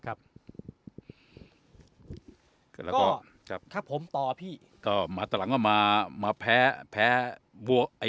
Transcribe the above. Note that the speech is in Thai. นะครับครับโก้ครับครับผมต่อที่ก็มาตลอดมามาแพ้แพ้ว